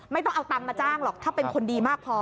ไม่ต้องเอาตังค์มาจ้างหรอกถ้าเป็นคนดีมากพอ